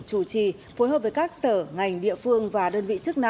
chủ trì phối hợp với các sở ngành địa phương và đơn vị